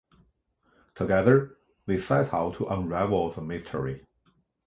Together they set out to unravel the mystery.